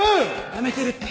やめてるって。